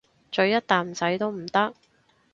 咀一啖仔都唔得？